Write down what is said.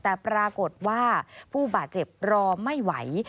แต่ปรากฏว่าผู้บาดเจ็บรอไม่ไหว